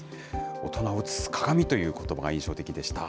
大人を映す鏡ということばが印象的でした。